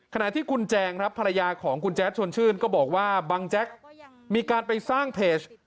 ขณะที่คุณแจงครับภรรยาของคุณแจ๊ดชวนชื่นก็บอกว่าบังแจ๊กมีการไปสร้างเพจ